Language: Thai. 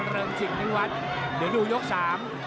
เริ่มสิบนึงวันเดี๋ยวดูยกสาม